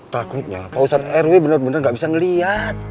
takutnya pak ustadz rw benar benar nggak bisa ngelihat